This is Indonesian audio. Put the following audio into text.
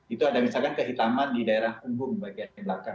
itu ada misalkan kehitaman di daerah punggung bagian belakang